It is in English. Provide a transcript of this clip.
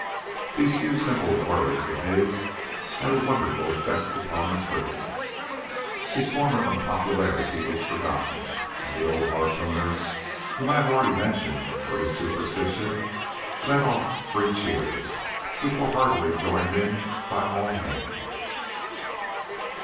These few simple words of his had a wonderful effect upon the crew. His former unpopularity was forgotten, and the old harpooner whom I have already mentioned for his superstition, led off three cheers, which were heartily joined in by all hands.